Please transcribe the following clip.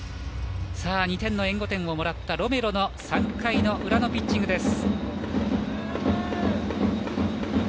２点の援護点をもらったロメロの３回の裏のピッチングです。